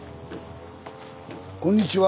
こんにちは！